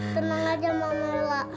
tenang aja mama elu